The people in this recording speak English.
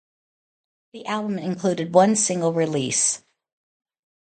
The album included one single release.